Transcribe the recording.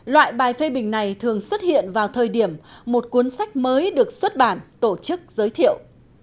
loại bài phê bình này thường xuất hiện vào thời điểm một cuốn sách mới được xuất bản tổ chức giới thiệu